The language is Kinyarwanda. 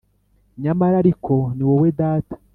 nyamara ariko, ni wowe data!